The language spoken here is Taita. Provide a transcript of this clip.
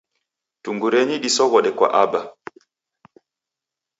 Tungurenyi disoghode kwa Aba.